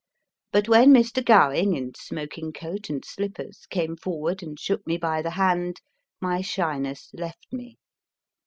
But when Mr. Gowing, in smoking coat and slippers, came forward and shook me by the hand, my shyness left me.